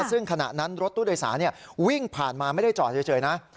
ซึ่งขณะนั้นรถตู้โดยสารวิ่งผ่านมาไม่ได้จอดเฉยนะ